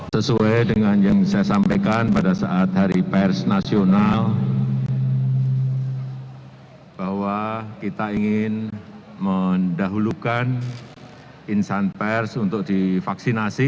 sesuai dengan yang saya sampaikan pada saat hari pers nasional bahwa kita ingin mendahulukan insan pers untuk divaksinasi